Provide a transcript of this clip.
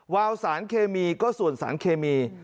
วาวสารเคมีก็ส่วนสารเคมี